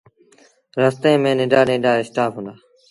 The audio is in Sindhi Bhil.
رستي ميݩ ننڍآ ننڍآ اسٽآڦ هُݩدآ۔